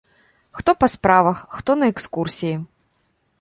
Хто па справах, хто на экскурсіі.